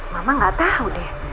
mama nggak tahu deh